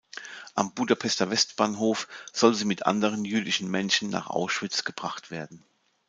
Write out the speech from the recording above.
Am Budapester Westbahnhof soll sie mit anderen jüdischen Menschen nach Auschwitz gebracht werden.